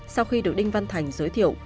sau khi được đinh văn thành giới thiệu